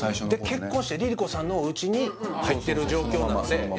結婚してＬｉＬｉＣｏさんのおうちに入ってる状況なのでそう